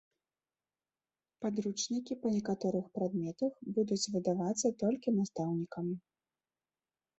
Падручнікі па некаторых прадметах будуць выдавацца толькі настаўнікам.